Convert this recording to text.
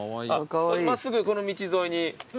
真っすぐこの道沿いに？